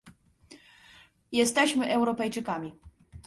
Jesteśmy Europejczykami